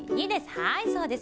はいそうです。